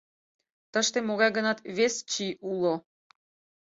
Тыште могай-гынат вес чий уло...